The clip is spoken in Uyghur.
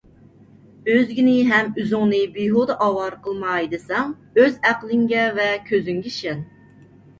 ئۆزگىنى ھەم ئۆزۈڭنى بىھۇدە ئاۋارە قىلماي دېسەڭ، ئۆز ئەقلىڭگە ۋە كۆزۈڭگە ئىشەن.